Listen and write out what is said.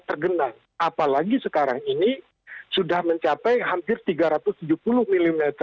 tergenang apalagi sekarang ini sudah mencapai hampir tiga ratus tujuh puluh mm